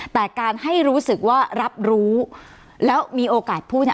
แต่การให้รู้สึกว่ารับรู้แล้วมีโอกาสพูดเนี่ย